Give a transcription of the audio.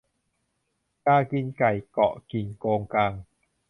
กากินไก่เกาะกิ่งโกงกาง